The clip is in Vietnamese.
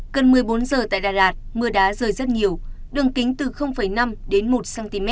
gần một mươi bốn giờ tại đà lạt mưa đá rơi rất nhiều đường kính từ năm đến một cm